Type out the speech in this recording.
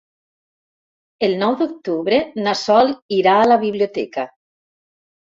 El nou d'octubre na Sol irà a la biblioteca.